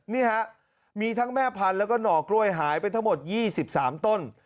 นี่ฮะมีทั้งแม่พันธุ์แล้วก็หน่อกล้วยหายไปทั้งหมด๒๓ต้น